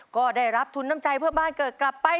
ก็ได้รับทุนน้ำใจเพื่อบ้านเกิดกลับไป